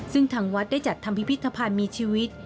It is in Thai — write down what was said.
ซึ่งทางวัดได้จัดทำพิพิธภัณฑ์มีชีวิต